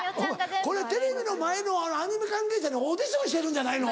これテレビの前のアニメ関係者にオーディションしてるんじゃないの？